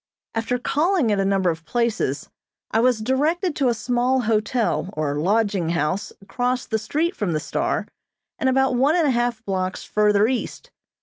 After calling at a number of places, I was directed to a small hotel or lodging house across the street from the "Star," and about one and a half blocks further east.